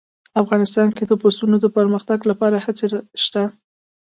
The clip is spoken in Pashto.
افغانستان کې د پسونو د پرمختګ لپاره هڅې شته.